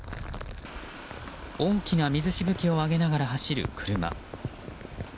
大きな水しぶきを上げながら走る車。